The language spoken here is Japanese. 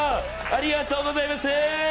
ありがとうございます！